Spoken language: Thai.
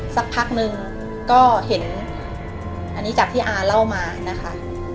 สักพักนึงก็เห็นอันนี้จากที่อาเล่ามานะคะ